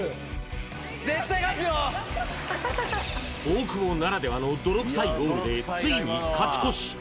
大久保ならではの泥臭いゴールでついに勝ち越し